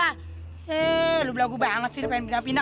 hei lu berlagu banget sih pengen pindah pindah